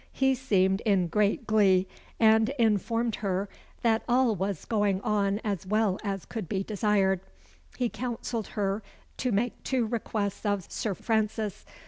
He seemed in great glee; and informed her that all was going on as well as could be desired. He counselled her to make two requests of Sir Francis.